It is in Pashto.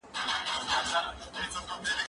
زه هره ورځ زده کړه کوم؟!